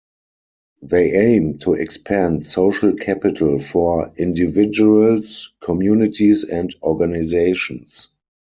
They aim to expand social capital for individuals, communities, and organizations.